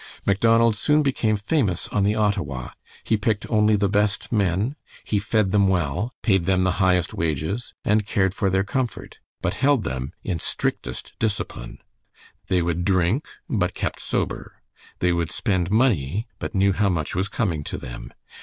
Macdonald soon became famous on the Ottawa. He picked only the best men, he fed them well, paid them the highest wages, and cared for their comfort, but held them in strictest discipline. They would drink but kept sober, they would spend money but knew how much was coming to them.